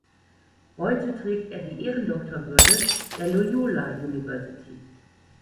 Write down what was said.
Heute trägt er die Ehrendoktorwürde der Loyola University.